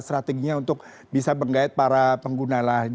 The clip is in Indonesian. strateginya untuk bisa menggait para pengguna lah